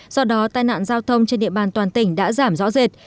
do đó tai nạn giao thông trên địa bàn toàn tỉnh đã giảm rõ rệt